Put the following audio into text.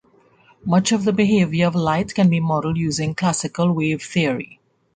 Much of the behaviour of light can be modelled using classical wave theory.